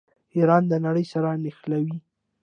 ایران د نړۍ سره نښلوي.